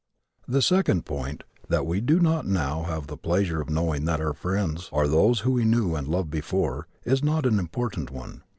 The second point that we do not now have the pleasure of knowing that our friends are those we knew and loved before is not an important one.